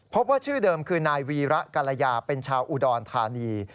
พบว่าชื่อเดิมคือนายวีระกรยาเป็นชาวอุดรธานี